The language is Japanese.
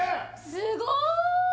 すごい！